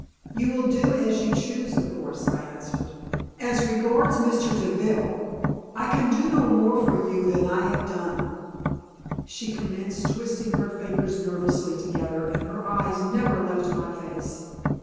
"You will do as you choose, of course," I answered; "as regards Mr. Deville, I can do no more for you than I have done." She commenced twisting her fingers nervously together, and her eyes never left my face.